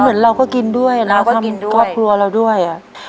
เหมือนเราก็กินด้วยกลับครัวเราด้วยอะครับ